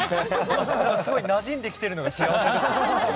すごいなじんできてるのがありがたいですね。